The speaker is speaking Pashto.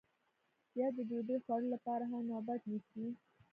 بیا د ډوډۍ خوړلو لپاره هم نوبت نیسي